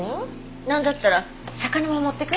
なんだったら魚も持ってく？